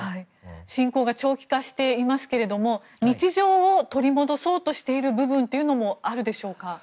侵攻が長期化していますけれども日常を取り戻そうとしている部分というのもあるでしょうか。